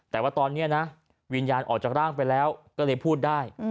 แต่ว่าตอนนี้นะวิญญาณออกจากร่างไปแล้วก็เลยพูดได้